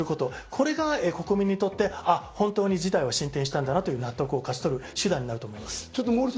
これが国民にとって、あ、本当に事態は進展したんだなという納得を勝ち取る手段になると思います。